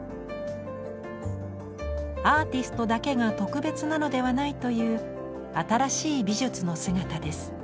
アーティストだけが特別なのではないという新しい美術の姿です。